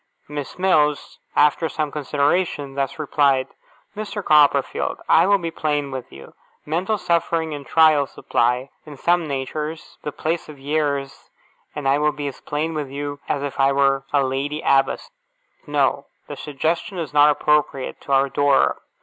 Miss Mills, after some consideration, thus replied: 'Mr. Copperfield, I will be plain with you. Mental suffering and trial supply, in some natures, the place of years, and I will be as plain with you as if I were a Lady Abbess. No. The suggestion is not appropriate to our Dora.